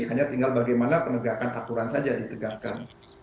hanya tinggal bagaimana penegakan aturan saja ditegakkan